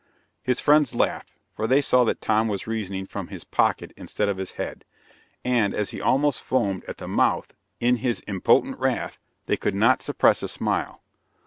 His friends laughed, for they saw that Tom was reasoning from his pocket instead of his head; and, as he almost foamed at the mouth in his impotent wrath they could not suppress a smile.